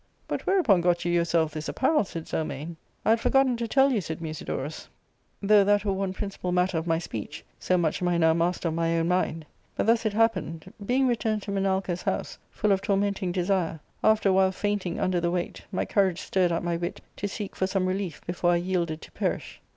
*' But whereupon got you yourself this apparel ?" said 2^1mane. " I had forgotten to tell you," said Musidorus, ARCADIA,— Book /, 95 " though that were one principal matter of my speech, so much am I now master of my own mind. But thus it hap pened : being returned to Menalcas* house, full of tormenting desire, after a while fainting imder the weight, my courage stirred. up my wit to seek for some relief before I yielded to perish.